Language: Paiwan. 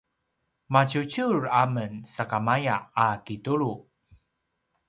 maciuciur amen sakamaya a kitulu